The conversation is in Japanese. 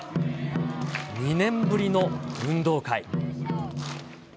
２年ぶりの運動会。